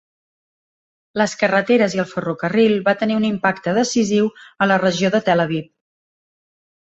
Les carreteres i el ferrocarril va tenir un impacte decisiu a la regió de Tel Aviv.